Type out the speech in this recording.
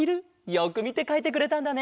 よくみてかいてくれたんだね。